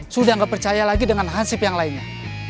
sudah gak percaya lagi dengan hansip yang lainnya